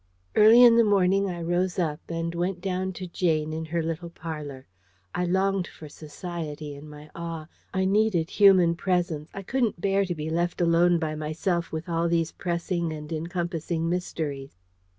Early in the morning I rose up, and went down to Jane in her little parlour. I longed for society in my awe. I needed human presence. I couldn't bear to be left alone by myself with all these pressing and encompassing mysteries.